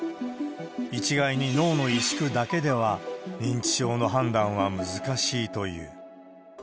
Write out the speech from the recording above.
一概に脳の萎縮だけでは、認知症の判断は難しいという。